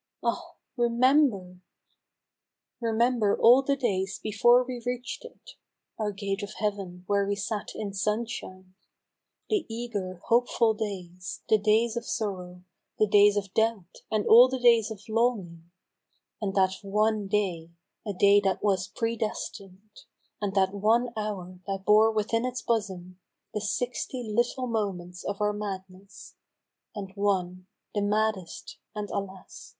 Ah ! remember ! Remember all the days before we reached it (Our gate of heaven where we sat in sunshine), The eager hopeful days, the days of sorrow, The days of doubt, and all the days of longing, And that one day, a day that was predestined, And that one hour that bore within its bosom The sixty little moments of our madness, And i?//^— .the maddest, and, alas